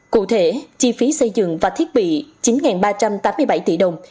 cụ thể chi phí xây dựng và thiết bị chín ba trăm tám mươi bảy tỷ đồng